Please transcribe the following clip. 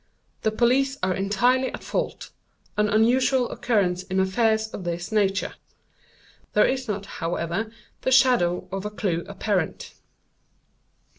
The police are entirely at fault—an unusual occurrence in affairs of this nature. There is not, however, the shadow of a clew apparent."